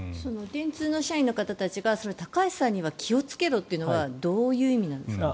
電通の社員の方たちが高橋さんには気をつけろというのはどういう意味なんですか？